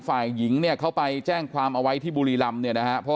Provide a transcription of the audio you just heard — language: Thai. ฝ่ายหญิงเนี่ยเขาไปแจ้งความเอาไว้ที่บุรีรำเนี่ยนะฮะ